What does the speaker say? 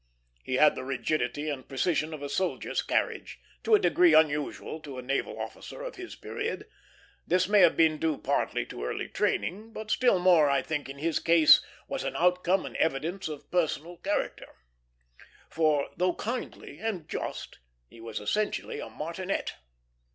He had the rigidity and precision of a soldier's carriage, to a degree unusual to a naval officer of his period. This may have been due partly to early training, but still more, I think, in his case, was an outcome and evidence of personal character; for, though kindly and just, he was essentially a martinet.